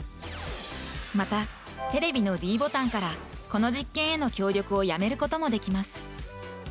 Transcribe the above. また、テレビのｄボタンからこの実験への協力をやめることもできます。